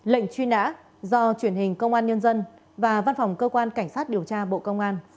lệnh truy nã do truyền hình công an nhân dân và văn phòng cơ quan cảnh sát điều tra bộ công an